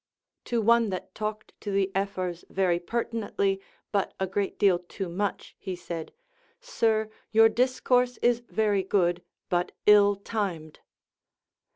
To one that talked to the Ephors very pertinently but a great deal too much he said, Sir, your discourse is very good, but ill timed.